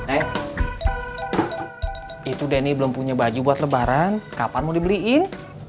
eh itu denny belum punya baju buat lebaran kapan mau dibeliin